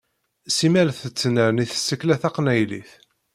Simmal tettnerni tsekla taqnaylit.